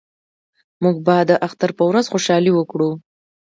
موږ به د اختر په ورځ خوشحالي وکړو